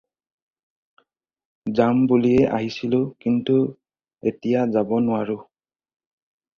যাম বুলিয়েই আহিছিলোঁ, কিন্তু এতিয়া যাব নোৱাৰোঁ।